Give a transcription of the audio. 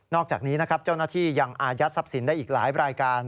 อกจากนี้นะครับเจ้าหน้าที่ยังอายัดทรัพย์สินได้อีกหลายรายการ